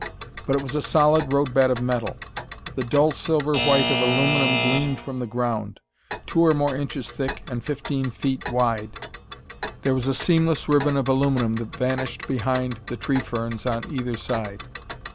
But it was a solid road bed of metal! The dull silver white of aluminum gleamed from the ground. Two or more inches thick and fifteen feet wide, there was a seamless ribbon of aluminum that vanished behind the tree ferns on either side.